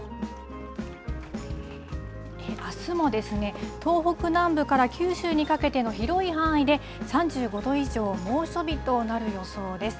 あすも東北南部から九州にかけての広い範囲で、３５度以上、猛暑日となる予想です。